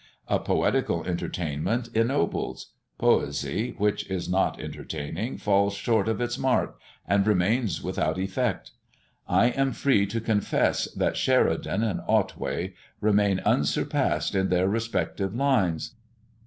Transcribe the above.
A poetical entertainment ennobles; poesy which is not entertaining falls short of its mark, and remains without effect. I am free to confess, that Sheridan and Otway remain unsurpassed in their respective lines.